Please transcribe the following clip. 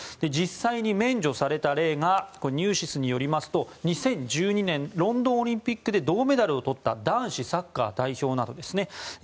実際に免除された例がニューシスによりますと２０１２年ロンドンオリンピックで銅メダルを取った男子サッカー代表などですね。